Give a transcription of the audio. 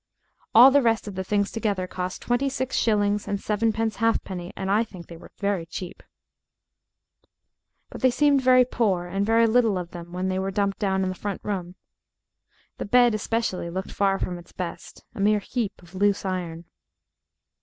All the rest of the things together cost twenty six shillings and sevenpence halfpenny, and I think they were cheap. But they seemed very poor and very little of them when they were dumped down in the front room. The bed especially looked far from its best a mere heap of loose iron.